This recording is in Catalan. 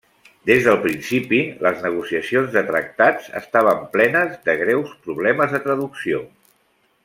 Des del principi, les negociacions de tractats estaven plenes de greus problemes de traducció.